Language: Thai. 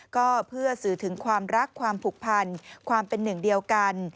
ก็เพื่อสื่อถึงความรักความผูกพันความเป็นหนึ่งเดียวกัน